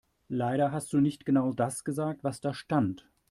Leider hast du nicht genau das gesagt, was da stand.